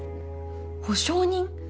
保証人！？